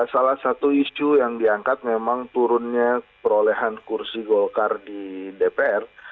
salah satu isu yang diangkat memang turunnya perolehan kursi golkar di dpr